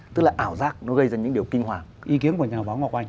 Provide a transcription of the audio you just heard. tức là ảo giác nó gây ra những điều kinh hoàng